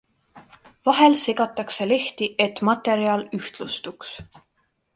Vahel segatakse lehti, et materjal ühtlustuks.